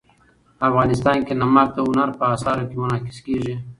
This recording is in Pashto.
افغانستان کې نمک د هنر په اثار کې منعکس کېږي.